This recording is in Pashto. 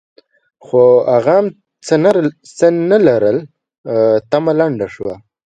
خو هغه هم څه نه لرل؛ تمه لنډه شوه.